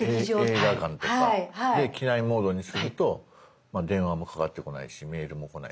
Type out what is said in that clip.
映画館とかで機内モードにすると電話もかかってこないしメールもこないし。